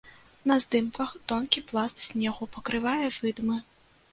На здымках тонкі пласт снегу пакрывае выдмы.